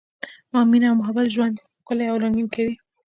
مینه او محبت ژوند ښکلی او رنګین کوي.